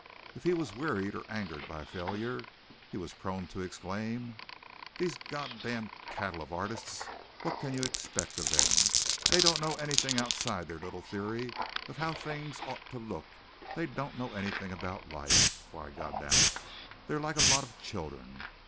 If he was wearied or angered by failure he was prone to exclaim "These Goddamned cattle of artists! What can you expect of them? They don't know anything outside their little theory of how things ought to look. They don't know anything about life. Why, God damn it, they're like a lot of children.